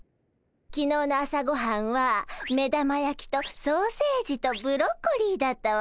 きのうの朝ごはんは目玉焼きとソーセージとブロッコリーだったわ。